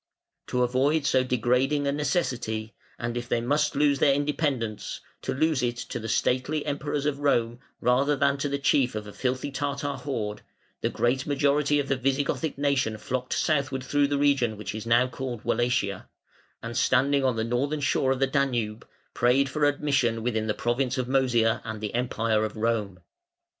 To avoid so degrading a necessity, and if they must lose their independence, to lose it to the stately Emperors of Rome rather than to the chief of a filthy Tartar horde, the great majority of the Visigothic nation flocked southward through the region which is now called Wallachia, and, standing on the northern shore of the Danube, prayed for admission within the province of Mœsia and the Empire of Rome.